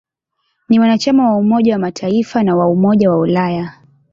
Ni mwanachama wa Umoja wa Mataifa na wa Umoja wa Ulaya.